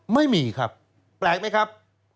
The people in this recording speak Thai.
ไม่มีครับแปลกไหมครับ